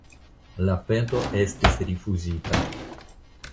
La peto estis rifuzita.